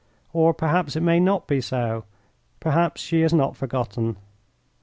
Or perhaps it may not be so. Perhaps she has not forgotten.